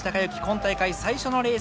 今大会最初のレース